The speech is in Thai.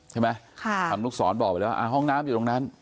ทำลูกสอนบอกว่าห้องน้ำอยู่ตรงนั้น